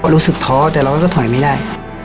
รู้สึกท้อแต่เราก็ถอยไม่ได้